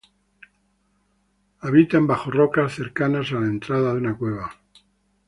Habitan bajo rocas cercanas a la entrada de una cueva.